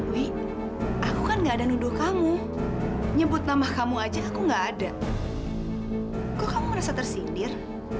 wih aku kan enggak ada nuduh kamu nyebut nama kamu aja aku enggak ada kok kamu merasa tersindir